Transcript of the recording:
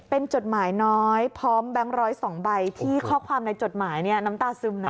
เป็นจดหมายน้อยพร้อมแบงค์๑๐๒ใบที่ข้อความในจดหมายเนี่ยน้ำตาซึมนะ